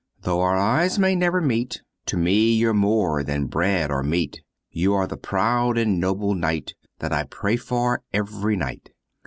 "_Though our eyes may never meet, To me you're more than bread or meat, You are the proud and noble knight That I pray for every night.